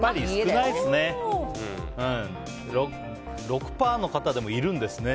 ただ、６％の方でもいるんですね。